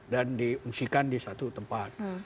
dan diungsikan di satu tempat